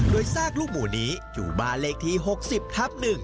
โดยซากลูกหมู่นี้อยู่บ้านเลขที่๖๐ทับ๑